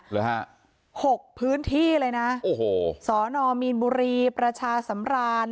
เหรอฮะหกพื้นที่เลยนะโอ้โหสอนอมีนบุรีประชาสำราน